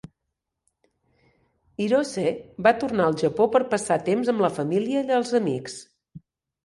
Hirose va tornar al Japó per passar temps amb la família i els amics.